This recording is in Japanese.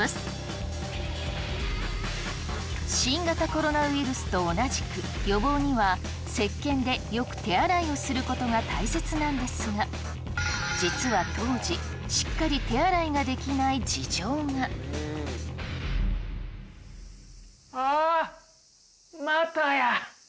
新型コロナウイルスと同じく予防には石けんでよく手洗いをすることが大切なんですが実は当時しっかり手洗いができない事情が。ああ！